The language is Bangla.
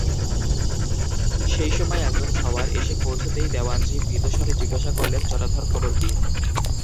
সেই সময় একজন সওয়ার এসে পৌঁছতেই দেওয়ানজি ভীতস্বরে জিজ্ঞাসা করলেন, জটাধর খবর কী?